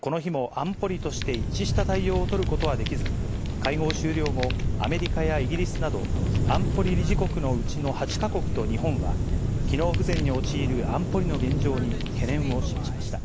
この日も安保理として一致した対応を取ることはできず、会合終了後、アメリカやイギリスなど安保理理事国のうちの８か国と日本は、機能不全に陥る安保理の現状に懸念を示しました。